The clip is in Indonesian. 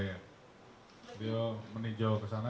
ya itu anunya kita lah